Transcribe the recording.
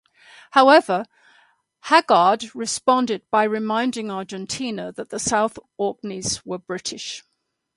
However, Haggard responded by reminding Argentina that the South Orkneys were British.